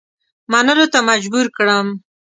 منلو ته مجبور کړم.